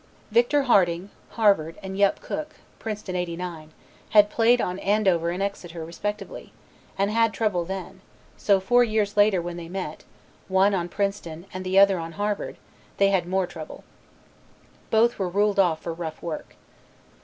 Victor Harding, Harvard, and Yup Cook, Princeton '89, had played on Andover and Exeter, respectively, and had trouble then, so four years later when they met, one on Princeton and the other on Harvard, they had more trouble. Both were ruled off for rough work.